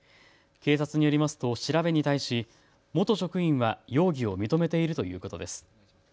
警察によりますと調べに対し元職員は容疑を認めているということです。